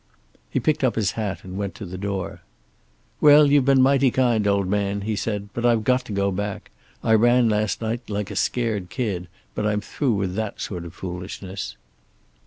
He picked up his hat and went to the door. "Well, you've been mighty kind, old man," he said. "But I've got to go back. I ran last night like a scared kid, but I'm through with that sort of foolishness."